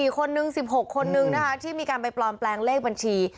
คนนึง๑๖คนนึงนะคะที่มีการไปปลอมแปลงเลขบัญชี